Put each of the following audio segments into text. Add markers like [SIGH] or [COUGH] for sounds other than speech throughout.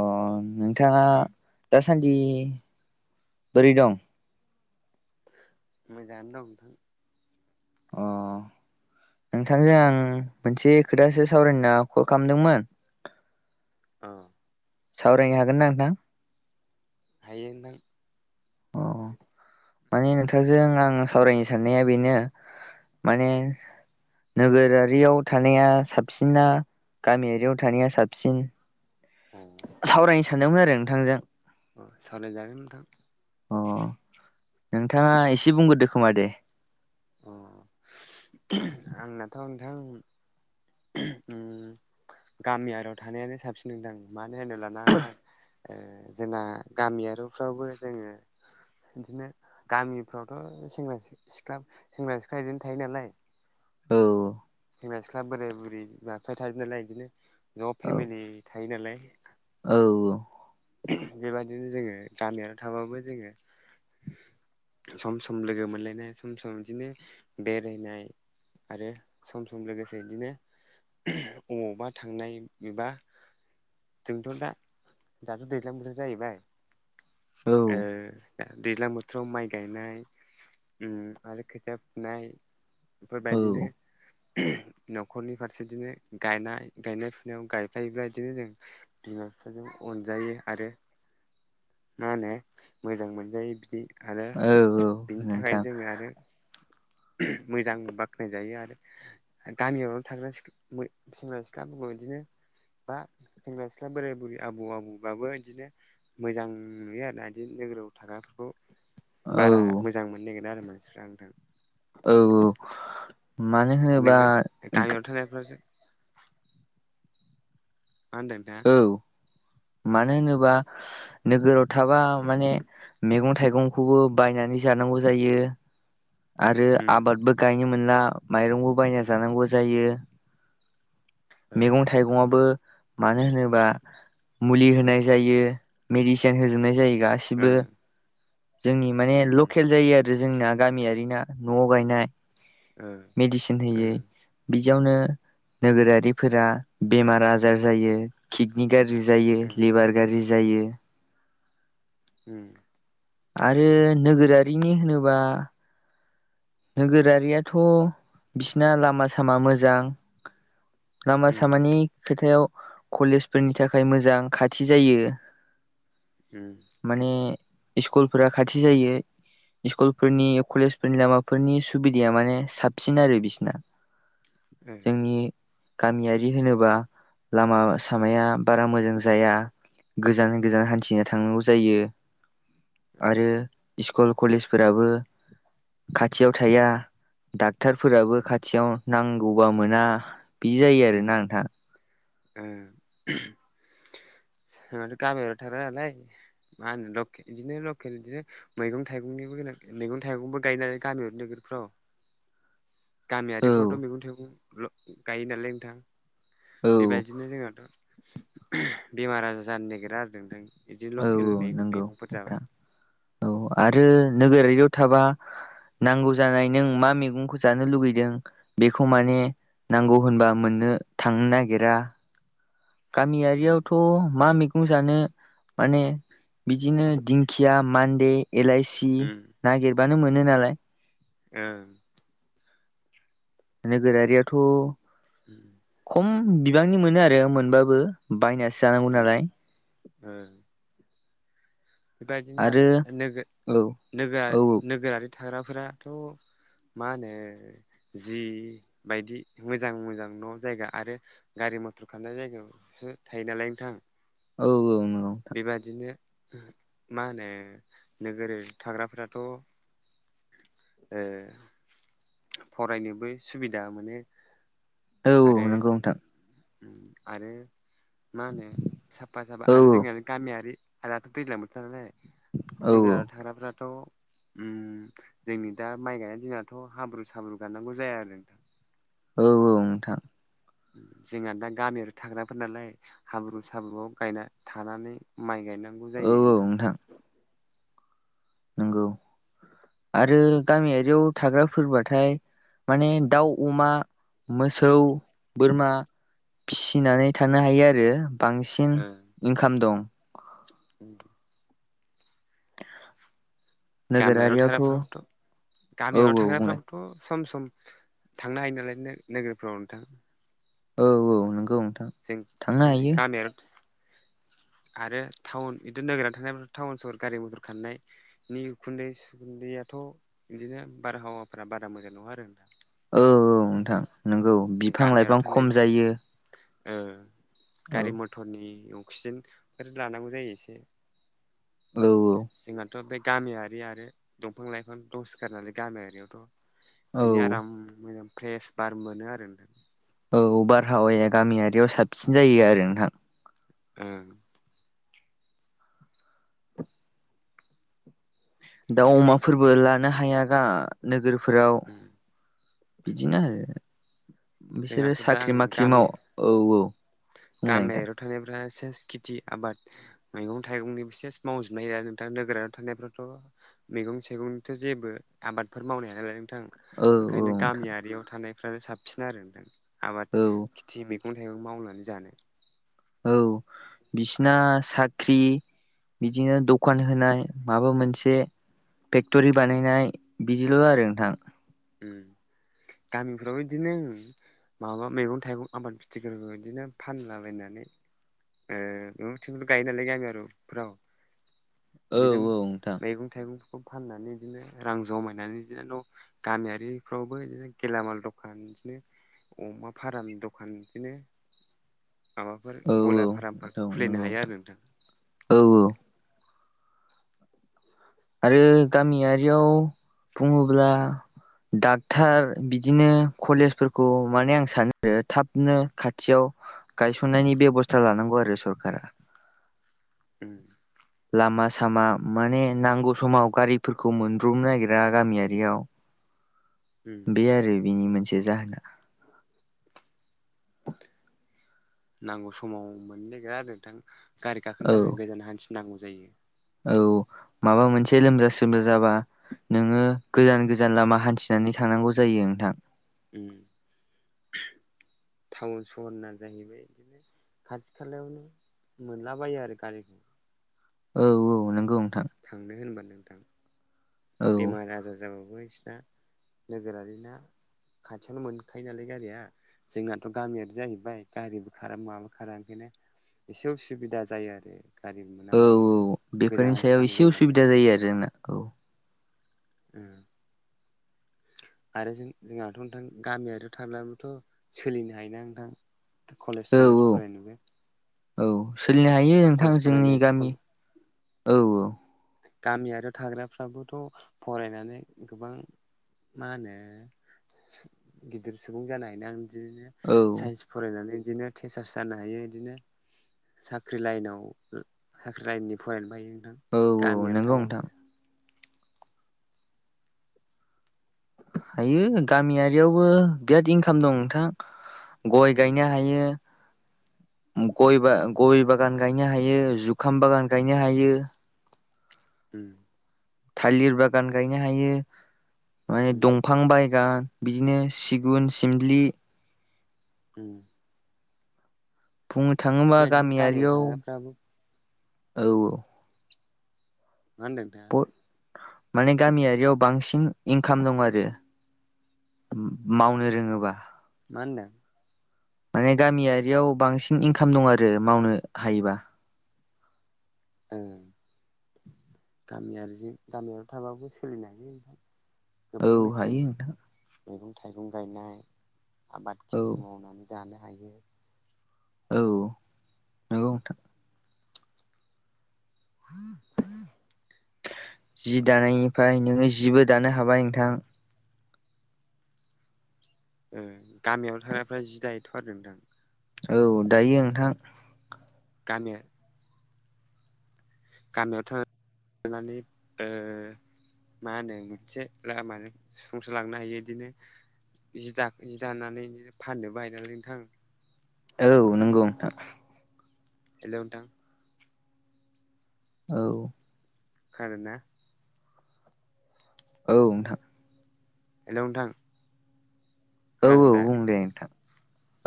अ नोंथाङा दासान्दि बोरै दं मोजाङानो दं नोंथां अ नोंथांजों आं मोनसे खोथासो सावरायाव कल खालामदोंमोन [INAUDIBLE] औ सावरायनो हागोन ना नोंथां हायो नोंथां अ माने नोंथांजों आं सावरायनो साननाया बेनो माने नोगोरारियाव थानाया साबसिना गामियारियाव थानाया साबसिन अ सावरायनो सानदोंमोन आरो नोंथांजों अ सावरायजागोन नोंथां नोंथांङा एसे बुंग्रदो खोमा दे अ आंनाथ' नोंथां गामियारियाव थानायानो साबसिन नोंथां मानो होनो लाना नोंथां ओ जोंना गामियारिफ्रावबो जोंङो बिदिनो गामिफ्रावथ' सेंग्रा सिख्ला सेंग्रा सिख्ला बिदिनो थायो नालाय औ सेंग्रा सिख्ला बोराय बुरै बिमा बिफाया थायो नालाय बिदिनो ज' औ फेमिलि थायो नालाय औ बेबायदिनो जोंङो गामियाव थाबाबो जोंङो [INAUDIBLE] सम सम लोगो मोनलायनाय सम सम बिदिनो बेरायनाय आरो सम सम लोगोसे बिदिनो अबावबा थांनाय एबा जोंथ' दा दाथ' दैलां बोथां जाहैबाय औ ओ दैज्लां बोथोराव माइ गायनाय ओ आरो खोथिया फुनाय औ बेफोरबायदिनो न'खरनि फारसे बिदिनो गायनाय गायनाय फुनायाव गायफायोब्ला बिदिनो जों बिमा बिफाजों अनजायो आरो मा होनो मोजां मोनजायो बिदि आरो औ औ बिनि थाखाय नोंथां जोङो आरो मोजां बाख्नायजायो आरो। गामियावनो थाग्राख्ला सेंग्रा सिख्लाबो बिदिनो बा सेंग्रा सिख्ला बोराय बुरैया आबौ आबौबाबो बिदिनो मोजां नुयो आरोना बिदिनो नोगोराव थाग्राफोरखौ औ बारा मोजां मोननो नागिरो आरो मानसिफ्रा नोंथां। औ औ मानो होनोबा नोगो [UNINTELLIGIBLE] मा होनदों नोंथां औ मानो होनोबा नोगोराव थाबा माने मैगं थाइगंखौबो बायनानै जानांगौ जायो। आरो उम आबादबो गायनो मोनला माइरंबो बायना जानांगौ जायो। ओ मैगं थाइगंआबो मानो होनोबा मुलि होनाय जायो मेडिसिन होजोबनाय जायो गा ओ जोंनि माने उम लकेल जायो आरो जोंना गामियारि ना न'आव गायनाय ओ मेडिसिन ओ होयै बिदियावनो नोगोरारिफोरा बेमार आजार जायो। किडनि गाज्रि जायो ओ लिभार गाज्रि जायो। उम आरो नोगोरारिनि होनोबा नोगोरारियाथ' बिसिना लामा सामा मोजां। लामा उम सामानि खोथायाव कलेजफोरनि थाखाय मोजां खाथि जायो। उम माने स्कुल फोरा खाथि जायो स्कुलफोरनि कलेजफोरनि लामा फोरनि सुबिदाया माने साबसिन आरो बिसिना। ओ जोंनि गामियारि होनोबा लामा ओ सामाया बारा मोजां जाया। गोजान गोजान ओ हान्थिना थांनांगौ जायो आरो स्कुल कलेजफोराबो खाथियाव थाया डाक्टरफोराबो उम खाथियाव नांगौबा मोना। बिदि जायो आरोना नोंथां। ओ गामियाव थानाय नालाय मा होनो बिदिनो लकेल मैगं थाइगंनिबो गोनां मैगं थाइगंबो गायनानै गामियावर नोगोरफ्राव नोंथां औ गामियारिफ्रावथ' मैगं थाइगं गायो नालाय नोंथां औ बेबायदि बिदिनो जोंहाथ' बेमार आजार जानो नागिरा आरो। बिदि औ लकेल औ नंगौ मैगंफोर नोंथां जाबा। औ आरो नोगोरारियाव थाबा नांगौ जानाय नों मा मैगंखौ जानो लुगैदों बेखौ माने नांगौ होनबा मोननो थांनो नागिरा। उम गामियारियावथ' मा मै गं जानो माने बिदिनो दिंखिया मान्दे एलाइसि उम नागिरबानो मोनो नालाय। ओ नोगोरारियाथ' [INAUDIBLE] खम बिबांनि मोनो आरो मोनबाबो बायनासो जानांगौ ओ नालाय ओ बेबायदिनो आरो नोग औ नोगो औ नोगोरारि थाग्राफोराथ' मा होनो जि बायदि मोजां मोजां न' जायगा आरो गारि मथर खारनाय जायगायावसो थायो नालाय नोंथां। औ औ नंगौ बेबादिनो मा होनो नोगोरारि थाग्राफोराथ' ओ फरायनोबो सुबिदा मोनो आरो नंगौ नोंथां आरो मा होनो साफा साफा औ आरो औ जोंनिया गामियारि आरो दाथ' दैज्लां बोथोर नालाय नंगौ नोंथां नोगोराव औ थाग्राफ्राथ' ओम जोंनि दा माइ गायनाय दिनाथ' हाब्रु साब्रु गानांगौ जाया आरो। औ औ नोंथां। जोंहा दा गामियाव थाग्राफोर नालाय। हाब्रु साब्रुआव गायना थानानै माइ गायनांगौ औ जायो औ नोंथां। नंगौ आरो गामियारियाव थाग्राफोरबाथाय माने दाउ अमा मोसौ बोरमा फिसिनानै थानो हायो आरो। बांसिन ओ इनकाम दं। [INAUDIBLE] गामियाव थाग्रा नोगोरारियावथ' फोराबोथ' औ गामियाव थाग्रा बुंलाय फ्राबो थ' सम सम थांनो हायो नालाय नोगोरफ्राव नोंथां। औ औ नंगौ नोंथां। जों थांनो ओंखायनो हायो गामियाव आरो टाउन बिदि नोगोराव थानाय टाउन सहर गारि मथर खारनाय नि उखुन्दै सुखुन्दैयाथ' बिदिनो बारहावाफोरा बारा मोजां नङा आरो नोंथां। औ औ नोंथां नंगौ बिफां गामियाव लाइफां खम थानायनि जायो। औ गारि मथ अक्सिजेन लानांगौ जायो एसे औ जोंहाथ' बे गामियारि आरो दंफां लाइफां दसे सिखारनानै गामियारियावथ' बिनि औ आराम मोजां फ्रेस बार मोनो आरो। औ बारहावाया गामियारियाव साबसिन जायो आरो नोंथां। ओ दाउ अमाफोरबो लानो हायाना नोगोरफोराव बिदिनो आरो बिसोरो जोंहाथ' दा आं साख्रि माख्रि माव गामि औ-औ गामियारियाव थानायफोरा सेस खेति आबाद मैगं थाइगंनि सेस मावजोबनो हायो नोंथा नोगोराव थानायफ्राथ' मैगं थाइगंनिथ' जेबो आबादफोर मावनो हाया नालाय नोंथां औ ओंखायनो नोंथां गामियारियाव थानायफ्रानो साबसिन आरो नोंथां आबाद औ खेथि मै मैगं थाइगं मावनानै जानो औ बिसिना साख्रि बिदिनो दखान होनाय माबा मोनसे फेक्ट'रि बानायनाय बिदिल' आरो नोंथां ओ गामिफ्रावबो बिदिनो माबा मैगं थाइगं आबाद खिथिफोरखौ बिदिनो फानलाबायनानै ए नथि' गायो नालाय गामियारिफोराव औ बिदिनो नोंथां मैगं थाइगंफोरखौ फाननानै बिदिनो रां जमायनानै बिदिनो न' गामियारिफ्रावबो बिदिनो गेलामाल दखान बिदिनो अमा फार्म दखान बिदिनो माबाफोर औ औ ब्रयलार फार्मफोर औ खुलिनो नंगौ हायो आरो नोंथां औ आरो गामियारियाव बुङोब्ला डाक्टार बिदिनो कलेजफोरखौ माने आं सानो आरो थाबनो खाथियाव गायसननायनि बेबस्था लानांगौ आरो सरखारा उम लामा सामा माने नांगौ समाव गारिफोरखौ मोनब्रबनो नागिरा गामियारियाव उम बे आरो बेनि मोनसे जाहोना नांगौ समाव मोननो नागिरा आरो नोंथां गारि गाखोनो औ थाखाय गोजान हान्थिनांगौ जायो औ माबा मोनसे लोमजा सोमजा जाबा नोङो गोजान गोजान लामा हान्थिनानै थांनांगौ जायो नोंथां उम टाउन सहरना जाहैबाय बिदिनो खाथि खालायावनो मोनलाबायो आरो गारिखौ औ-औ नंगौ नोंथां थांनो होनबा नोंथां औ बेमार आजार जाबाबो बिसना नोगोरारि ना खाथियावनो मोनखायो नालाय गारिया जोंनाथ' गामियारि जाहैबाय गारिबो खारा माबो खारा ओंखायनो एसे उसुबिदा जायो आरो गारि मोना मा मोना औ-औ गोजान बेफोरनि सायाव हान्थिनांगौ एसे जायो नालाय उसुबिदा जायो आरो जोंना औ ओम आरो जों जोंहाथ' नोंथां गामियारि थाब्लाबोथ' सोलिनो हायोना नोंथां कलेज औ सलेज औ फरायनोबो औ सोलिनो हायो कलेज फरायनो स्कुल औ-औ गामियारियाव थाग्राफ्राबोथ' फरायनानै गोबां मा होनो गिदिर सुबुं जानायनो आं बिदिनो औ साइन्स फरायनानै बिदिनो तिसार्स जानो हायो बिदिनो साख्रि लाइनाव साख्रि लाइननि फरायनोबो हायो नोंथां औ गामि आरियाव नंगौ नोंथां थाबाबो हायो गामि आरियावबो बिराद इनकाम दं नोंथां गय उम गायनो हायो गय उम गय बागान गायनो हायो जुखाम बागान गायनो हायो उम थालिर बागान गायनो हायो माने उम दंफां बायगान बिदिनो सिगुन सिमलि उ बुंनो थाङोबा बेबायदिनो गामियाव गामियारियाव थाग्राफ्राबो औ औ मा होनदों नोंथां माने गामियारियाव बांसिन इनकाम दं आरो मावनो रोङोबा मा होनदों माने गामियारियाव बांसिन इनकाम दं आरो मावनो हायोबा ओ गामियारिजों गामियाव थाबाबो सोलिनो हायो नोंथां गोबां औ रोखोमनि हायो नोंथां मैगं थाइगं गायनाय आबाद खिथि औ मावनानै जानो हायो औ नंगौ नोंथां [INAUDIBLE] जि दानायनिफ्राय नोङो जिबो दानो हाबाय नोंथां ओ गामियाव थाग्राफ्रा जि दायोथ' आरो नोंथां औ दायो नोंथां गानो गामियावथ' थानानै ओ मा होनो मोनसे लामाजों सुफुंलांनो हायो बिदिनो जि दाखो जि दानानै बिदिनो फाननोबो हायो नालाय नोंथां। औ नंगौ नोंथां हेलौ नोंथां औ खोनादोंना? औ नोंथां हेलौ नोंथां औ खोनादों औ दा बुं दे नोंथां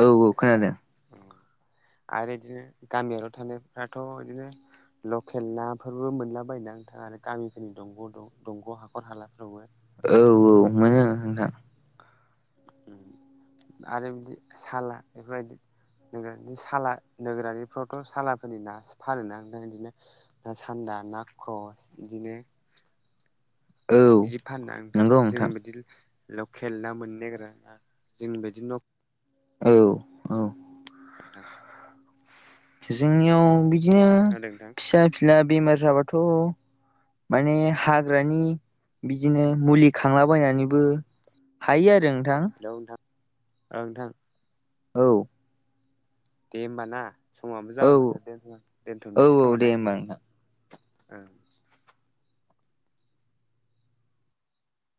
औ औ खोनादों। आरो बिदिनो गामियावल' थानायफ्राथ' बिदिनो लकेल नाफोरबो मोनलाबायोना नोंथां आरो गामिफोरनि दंग' दं दंग' हाखर हालाफ्रावबो औ औ मोनो नोंथां आरो बिदि साला बेफोरबायदि नोगोरारि साला नोगोरारिफ्रावथ' सालाफोरनि नासो फानोना नोंथां इदिनो ना सान्दा ना ख्रस बिदिनो औ बिदि फानोना नोंथां जोंनि बायदि लकेल ना मोननो नागिरा ना जोंनि बायदि ना औ औ नोंथां जोंनियाव बिदिनो खोनादों नोंथां फिसा फिला बेमार जाबाथ' माने हाग्रानि बिदिनो मुलि खांलाबायनानैबो हायो आरो नोंथां हेलौ नोंथां औ नोंथां औ दे ओमबा ना समाबो औ जाबाय माथो दोनथ' औ दोनथ'नोसै औ दे खोमाना होमबा नोंथां ओ